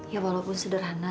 ya walaupun sederhana